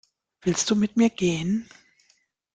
Willst du mit mir gehen?